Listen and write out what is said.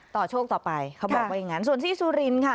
โชคต่อไปเขาบอกว่าอย่างนั้นส่วนที่สุรินทร์ค่ะ